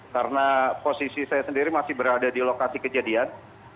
karena posisi saya sendiri masih berada di lokasi kejadian